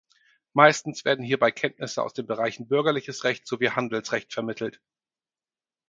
Meistens werden hierbei Kenntnisse aus den Bereichen bürgerliches Recht sowie Handelsrecht vermittelt.